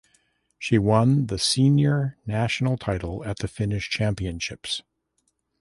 She won the senior national title at the Finnish Championships.